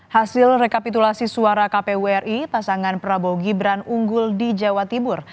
hasil rekapitulasi suara kpu ri pasangan prabowo gibran unggul di jawa tibur